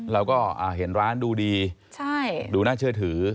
เราก็เห็นร้านดูดีดูน่าเชื่อถือ